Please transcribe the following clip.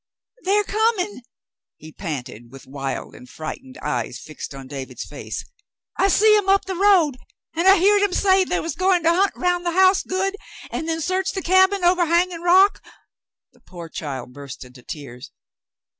"They're comin'," he panted, with wild and frightened eyes fixed on David's face. "I see 'em up the road, an' I heered 'em say they was goin' to hunt 'round the house good, an' then s'arch the cabin ovah Hanging Rock." The poor child burst into tears.